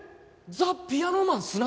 ザ・ピアノマン砂田？